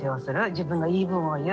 自分の言い分を言う。